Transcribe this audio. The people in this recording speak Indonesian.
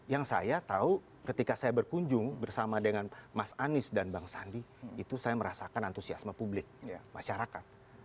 yang saya tahu ketika saya berkunjung bersama dengan mas anies dan bang sandi itu saya merasakan antusiasme publik masyarakat